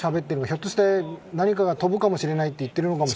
ひょっとして、何かが飛ぶかもしれないと言っているのかも。